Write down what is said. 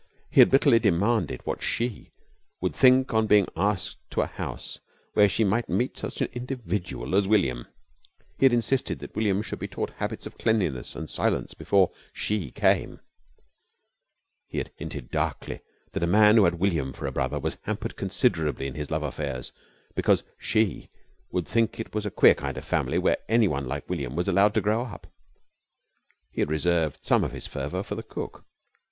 He had bitterly demanded what She would think on being asked to a house where she might meet such an individual as William; he had insisted that William should be taught habits of cleanliness and silence before She came; he had hinted darkly that a man who had William for a brother was hampered considerably in his love affairs because She would think it was a queer kind of family where anyone like William was allowed to grow up. He had reserved some of his fervour for the cook.